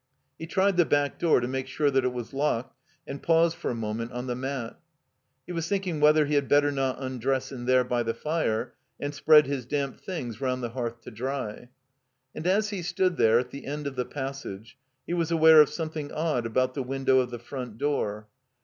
He tried the back door to make sure that it was locked, and paused for a moment on the mat. He was thinking whether he had better not tmdress in there by the fire and spread his damp things roimd the hearth to dry. And as he stood there at the end of the passage he was aware of something odd about the window of the front door.